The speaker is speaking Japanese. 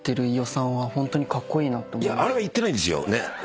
あれは言ってないんですよね。